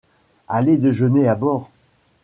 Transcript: aller déjeuner à bord.